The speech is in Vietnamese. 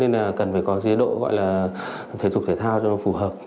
nên là cần phải có chế độ gọi là thể dục thể thao cho nó phù hợp